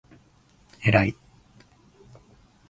えらい！！！！！！！！！！！！！！！